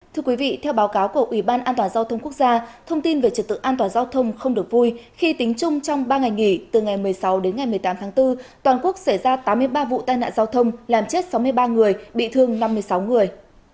thưa quý vị theo báo cáo của ủy ban an toàn giao thông quốc gia thông tin về trật tự an toàn giao thông không được vui khi tính chung trong ba ngày nghỉ từ ngày một mươi sáu đến ngày một mươi tám tháng bốn toàn quốc xảy ra tám mươi ba vụ tai nạn giao thông làm chết sáu mươi ba người bị thương năm mươi sáu người